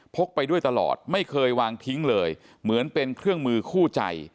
ไปด้วยตลอดไม่เคยวางทิ้งเลยเหมือนเป็นเครื่องมือคู่ใจ